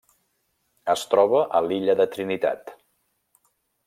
Es troba a l'Illa de Trinitat.